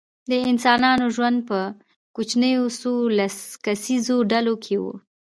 د انسانانو ژوند په کوچنیو څو لس کسیزو ډلو کې و.